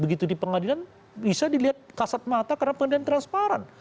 begitu di pengadilan bisa dilihat kasat mata karena pengadilan transparan